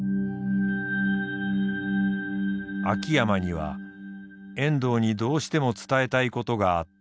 秋山には遠藤にどうしても伝えたいことがあった。